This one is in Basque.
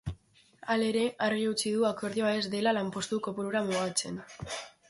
Halere, argi utzi du akordioa ez dela lanpostu kopurura mugatzen.